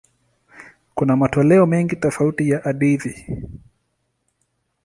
Kuna matoleo mengi tofauti ya hadithi.